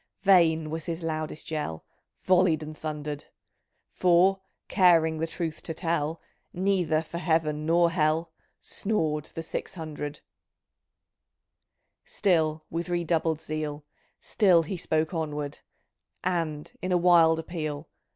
Vain was his loudest yell Volleyed and thundered'; For, caring — the truth to tell, Neither for Heaven nor Hell, Snor'd the Six Hundred I Still with redoubled zeal; Still he spoke onward ; And, in a wild appeal.